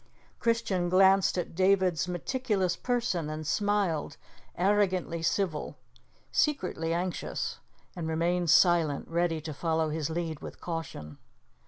Christian glanced at David's meticulous person and smiled, arrogantly civil, secretly anxious, and remained silent, ready to follow his lead with caution.